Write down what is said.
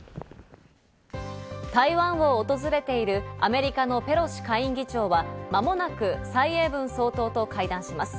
台湾を訪れているアメリカのペロシ下院議長は間もなくサイ・エイブン総統と会談します。